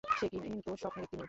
সে কিন্তু স্বপ্নের একটি মেয়ে।